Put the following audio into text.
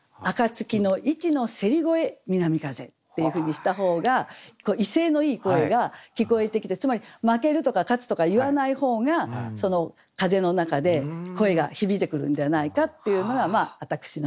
「暁の市の競り声南風」っていうふうにした方が威勢のいい声が聞こえてきてつまり負けるとか勝つとか言わない方がその風の中で声が響いてくるんではないかっていうのが私の。